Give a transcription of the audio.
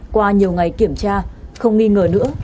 qua nhiều ngày kiểm tra không nghi ngờ nữa